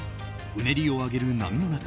うねりを上げる波の中